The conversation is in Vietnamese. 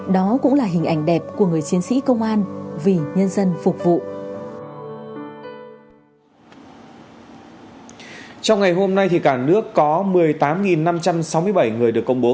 đó cũng là hình ảnh đẹp của người chiến sĩ công an vì nhân dân phục vụ